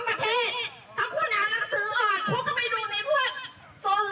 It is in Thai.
ช้ามากไม่ได้อีกช้ามากคนเดียวนะมีคนทำประเทศ